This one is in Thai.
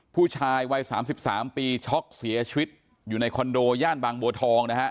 ผู้ชายวัย๓๓ปีช็อกเสียชีวิตอยู่ในคอนโดย่านบางบัวทองนะฮะ